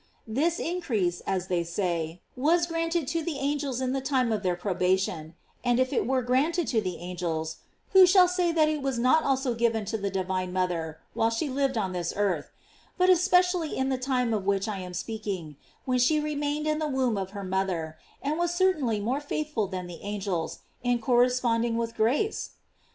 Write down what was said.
This increase, as they say, was granted to the angels in the time of their probation; and if it were granted to the angels, who shall say that it was not also given to the divine mother while she lived on this earth, but especially in the time of which I am speaking, when she remained in the womb of her mother, and was certainly more faithful than the angels, in corresponding with grace?